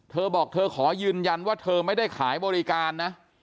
เธอบอกเธอขอยืนยันว่าเธอไม่ได้ขายบริการนะ